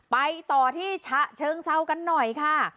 ไปต่อที่ฉะเชิงเซากันหน่อยค่ะ